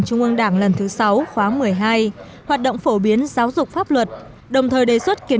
trung ương đảng lần thứ sáu khóa một mươi hai hoạt động phổ biến giáo dục pháp luật đồng thời đề xuất kiến